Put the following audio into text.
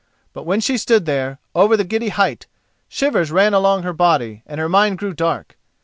But when she stood there, over the giddy height, shivers ran along her body, and her mind grew dark.